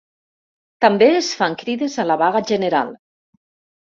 També es fan crides a la vaga general.